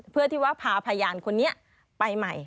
เพื่อที่ว่าพาพยานคนนี้ไปใหม่